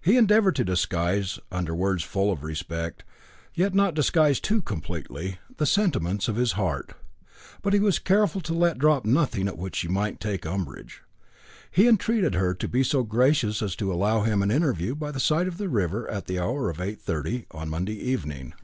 He endeavoured to disguise under words full of respect, yet not disguise too completely, the sentiments of his heart. But he was careful to let drop nothing at which she might take umbrage. He entreated her to be so gracious as to allow him an interview by the side of the river at the hour of 8.30 on the Monday evening.